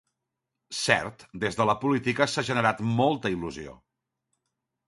Cert, des de la política s'ha generat molta il·lusió.